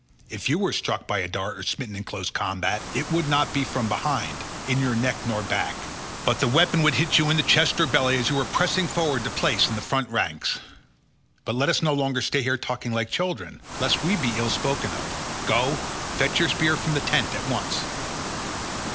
If you were struck by a dart or smitten in close combat, it would not be from behind, in your neck nor back, but the weapon would hit you in the chest or belly as you were pressing forward to a place in the front ranks. But let us no longer stay here talking like children, lest we be ill spoken of; go, fetch your spear from the tent at once."